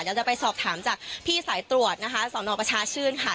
เดี๋ยวจะไปสอบถามจากพี่สายตรวจนะคะสอนอประชาชื่นค่ะ